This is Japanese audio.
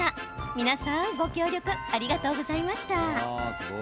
皆さんご協力ありがとうございました。